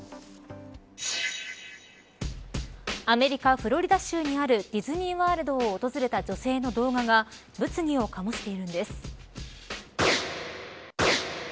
アメリカ、フロリダ州にあるディズニー・ワールドを訪れた女性の動画が物議を醸しているんです。